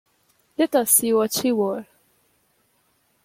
Let us see what she wore.